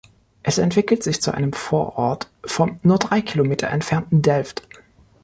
Es entwickelt sich zu einem Vorort vom nur drei Kilometer entfernten Delft.